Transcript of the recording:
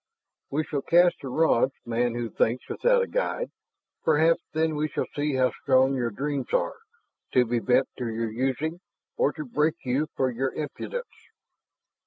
"We shall cast the rods, man who thinks without a guide. Perhaps then we shall see how strong your dreams are to be bent to your using, or to break you for your impudence."